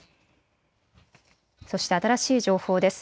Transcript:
そして新しい情報です。